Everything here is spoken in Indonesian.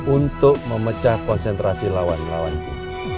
untuk memecah konsentrasi lawan lawanku